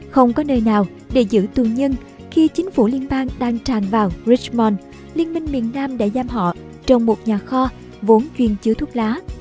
không có nơi nào để giữ tù nhân khi chính phủ liên bang đang tràn vào richmond liên minh miền nam đã giam họ trong một nhà kho vốn chuyên chứa thuốc lá